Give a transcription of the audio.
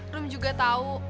rom juga tau